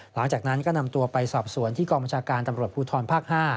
หลังจากนั้นก็นำตัวไปสอบสวนที่กองบัญชาการตำรวจภูทรภาค๕